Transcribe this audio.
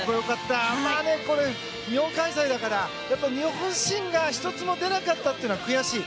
日本開催だから、日本新が１つも出なかったというのが悔しい。